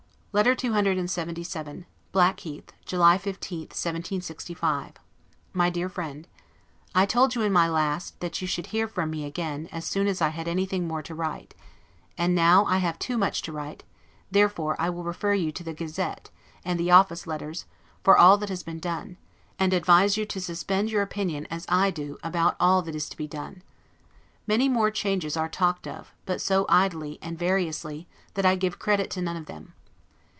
LETTER CCLXXVII BLACKHEATH, July 15, 1765 MY DEAR FRIEND: I told you in my last, that you should hear from me again, as soon as I had anything more to write; and now I have too much to write, therefore will refer you to the "Gazette," and the office letters, for all that has been done; and advise you to suspend your opinion, as I do, about all that is to be done. Many more changes are talked of, but so idly, and variously, that I give credit to none of them.